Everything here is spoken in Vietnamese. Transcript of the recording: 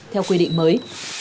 theo quy định mới